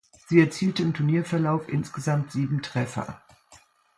Sie erzielte im Turnierverlauf insgesamt sieben Treffer.